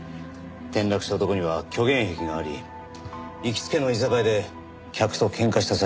転落した男には虚言癖があり行きつけの居酒屋で客と喧嘩した際。